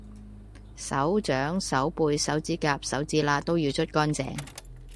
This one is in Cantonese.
手掌、手背、手指甲、手指罅都要捽乾淨